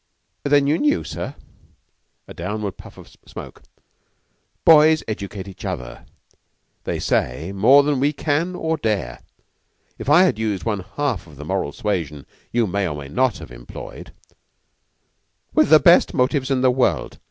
"Then you knew, sir?" A downward puff of smoke. "Boys educate each other, they say, more than we can or dare. If I had used one half of the moral suasion you may or may not have employed " "With the best motives in the world.